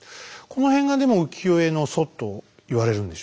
この辺がでも浮世絵の祖と言われるんでしょうね。